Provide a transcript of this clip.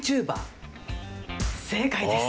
正解です。